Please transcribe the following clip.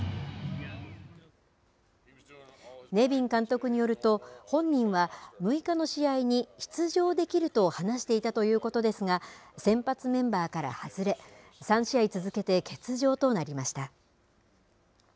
ネビン監督によると本人は６日の試合に出場できると話していたということですが先発メンバーから外れ３試合続けて欠場となりました。